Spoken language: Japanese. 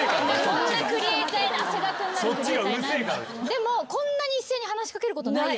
でもこんなに一斉に話し掛けることない。